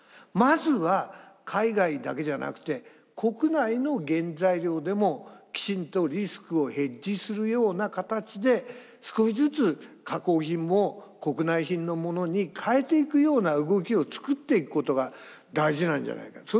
まずは海外だけじゃなくて国内の原材料でもきちんとリスクをヘッジするような形で少しずつ加工品も国内品のものに変えていくような動きを作っていくことが大事なんじゃないか。